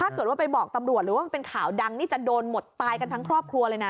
ถ้าเกิดว่าไปบอกตำรวจหรือว่ามันเป็นข่าวดังนี่จะโดนหมดตายกันทั้งครอบครัวเลยนะ